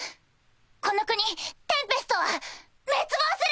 この国テンペストは滅亡する！